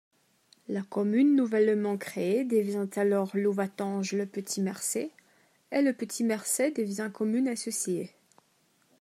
La commune nouvellement créée devient alors Louvatange-le-Petit-Mercey et Le Petit-Mercey devient commune associée.